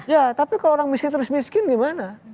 ya tapi kalau orang miskin terus miskin gimana